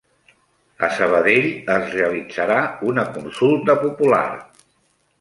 A Sabadell es realitzarà una consulta popular